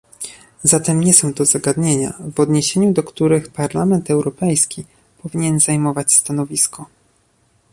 Zatem nie są to zagadnienia, w odniesieniu do których Parlament Europejski powinien zajmować stanowisko